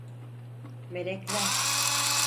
Melekler.